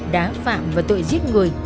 đá phạm và tội giết người